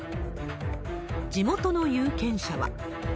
地元の有権者は。